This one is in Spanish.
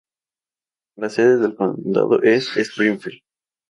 La sede del condado es Springfield.